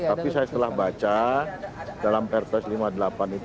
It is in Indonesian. tapi saya setelah baca dalam perpres lima puluh delapan itu